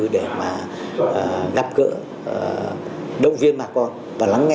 để gặp gỡ động viên bà con